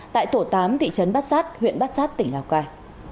tại tổ tám thị trấn bát giác huyện bát giác tỉnh lào cai